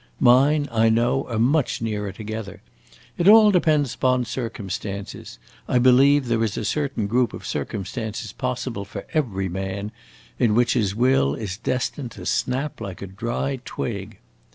Mine, I know, are much nearer together. It all depends upon circumstances. I believe there is a certain group of circumstances possible for every man, in which his will is destined to snap like a dry twig."